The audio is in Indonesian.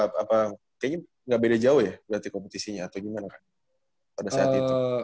kayaknya nggak beda jauh ya berarti kompetisinya atau gimana pada saat itu